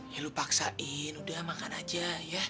ya lu paksain udah makan aja ya